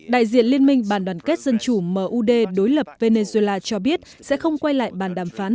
đại diện liên minh bàn đoàn kết dân chủ mud đối lập venezuela cho biết sẽ không quay lại bàn đàm phán